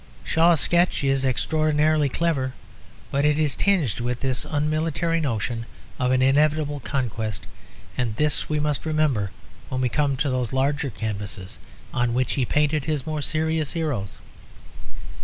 Shaw's sketch is extraordinarily clever; but it is tinged with this unmilitary notion of an inevitable conquest; and this we must remember when we come to those larger canvases on which he painted his more serious heroes.